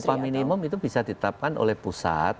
upah minimum itu bisa ditetapkan oleh pusat